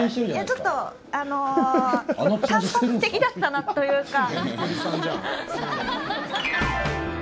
ちょっと単発的だったなというか。